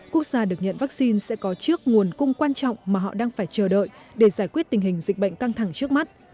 quốc gia được nhận vaccine sẽ có trước nguồn cung quan trọng mà họ đang phải chờ đợi để giải quyết tình hình dịch bệnh căng thẳng trước mắt